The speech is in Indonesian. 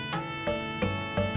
tidak ada yang bisa diberikan